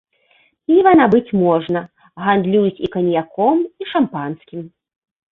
Піва набыць можна, гандлююць і каньяком, і шампанскім.